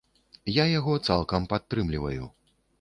Я яго цалкам падтрымліваю.